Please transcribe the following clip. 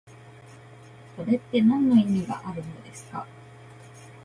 それってなんの意味があるのですか？